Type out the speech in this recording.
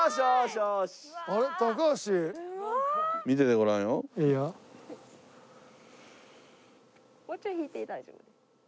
もうちょい引いて大丈夫。